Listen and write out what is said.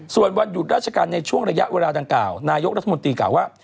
ส่วนวันหยุดราชการในช่วงระยะเวลาดังกล่าวนายกรัฐมนตรีกล่าวว่า